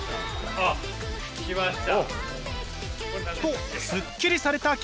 あっ来ました。